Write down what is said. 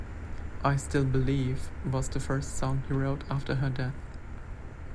"I Still Believe" was the first song he wrote after her death.